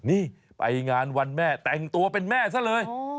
นี่ไปงานวันแม่แต่งตัวเป็นแม่ซะเลย